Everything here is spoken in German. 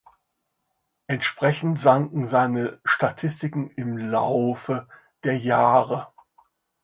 Entsprechend sanken seine Statistiken im Laufe der Jahre.